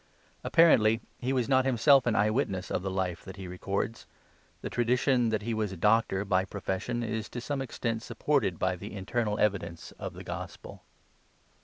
Apparently he was not himself an eye witness of the Life that he records. The tradition that he was a doctor by profession is to some extent supported by the internal evidence of this gospel.